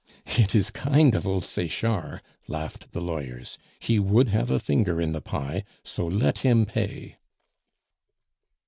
"It is kind of old Sechard," laughed the lawyers; "he would have a finger in the pie, so let him pay!"